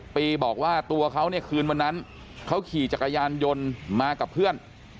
ปีบอกว่าตัวเขาเนี่ยคืนวันนั้นเขาขี่จักรยานยนต์มากับเพื่อน